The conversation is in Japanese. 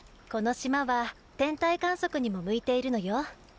この島は天体観測にも向いているのよ。